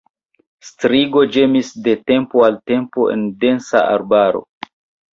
Strigo ĝemis de tempo al tempo en densa arbaro.